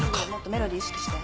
メロディー意識して。